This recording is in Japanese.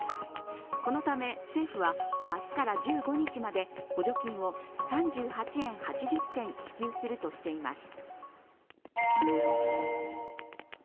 このため政府は明日から１５日まで補助金を３８円８０銭支給するとしています。